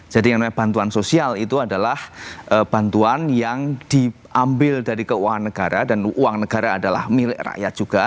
jadi yang namanya bantuan sosial itu adalah bantuan yang diambil dari keuangan negara dan uang negara adalah milik rakyat juga